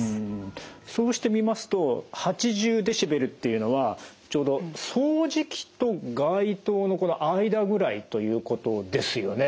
そうしてみますと８０デシベルっていうのはちょうど掃除機と街頭のこの間ぐらいということですよね。